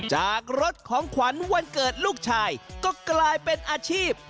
จากรถของขวัญวันเกิดลูกชายก็กลายเป็นอาชีพ